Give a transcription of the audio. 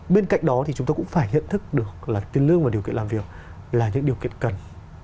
bên cạnh đó thì chúng ta cũng phải nhận thức được là tiền lương và điều kiện làm việc là những điều kiện cần